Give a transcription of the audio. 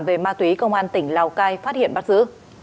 về ma túy công an tỉnh lào cai phát hiện bắt giữ